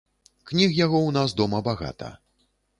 Кніг яго ў нас дома багата.